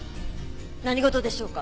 何事でしょうか？